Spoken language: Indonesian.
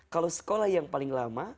kalau sekolah yang paling lama